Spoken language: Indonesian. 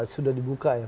sudah dibuka ya